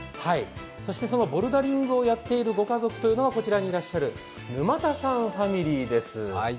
そのボルダリングをやっているご家族は、こちらにいらっしゃる沼田さんファミリーです。